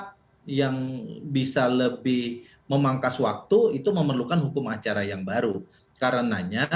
cepat yang bisa lebih memangkas waktu itu memerlukan hukum acara yang baru karenanya